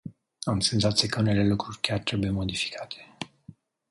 Am senzația că unele lucruri chiar trebuie modificate.